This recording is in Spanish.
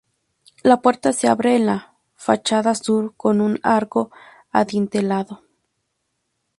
La puerta se abre en la fachada sur, con un arco adintelado.